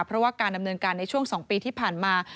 เพราะว่าการดำเนินการในช่วง๒ปีที่ผ่านมา